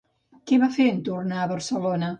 Què va fer en tornar a Barcelona?